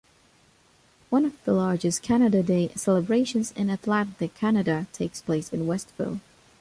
One of the largest Canada Day celebrations in Atlantic Canada takes place in Westville.